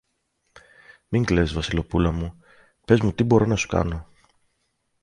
Μην κλαις, Βασιλοπούλα μου, πες μου τι μπορώ να σου κάνω!